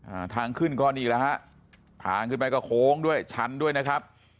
อ่าทางขึ้นก็นี่แหละฮะทางขึ้นไปก็โค้งด้วยชั้นด้วยนะครับ